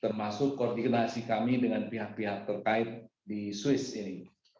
termasuk koordinasi kami dengan pihak pihak terkait di swiss ini